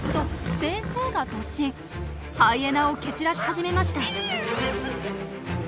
ハイエナを蹴散らし始めました。